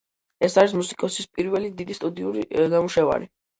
ეს არის მუსიკოსის პირველი დიდი სტუდიური ნამუშევარი.